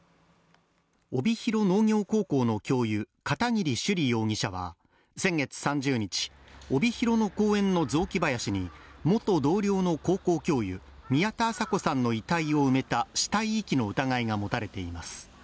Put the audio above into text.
帯広農業高校の教諭、片桐朱璃容疑者は先月３０日、帯広の公園の雑木林に元同僚の高校教諭、宮田麻子さんの遺体を埋めた死体遺棄の疑いが持たれています。